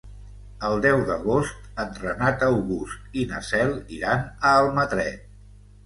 El deu d'agost en Renat August i na Cel iran a Almatret.